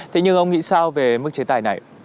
thế nhưng ông nghĩ sao về mức chế tài này